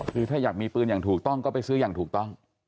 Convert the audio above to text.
คือถ้าอยากมีปืนอย่างถูกต้องก็ไปซื้ออย่างถูกต้อง